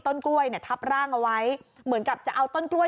ต้นกล้วยเนี่ยทับร่างเอาไว้เหมือนกับจะเอาต้นกล้วย